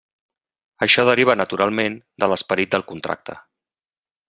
Això deriva naturalment de l'esperit del contracte.